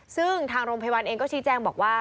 ซึ่งทางโรงพยาบาลเองก็ชี้แจงบอกว่า